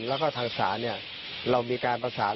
และทางสรรค์เรามีการประสาน